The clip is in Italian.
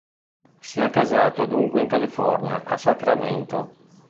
Si è accasato dunque in California, a Sacramento.